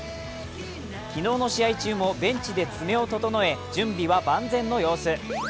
昨日の試合中もベンチで爪を整え、準備は万全の様子。